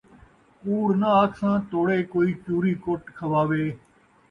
کوڑ ناں آکھساں توڑے کئی چُوری کٹ کھواوے